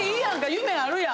夢あるやん。